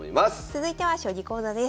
続いては将棋講座です。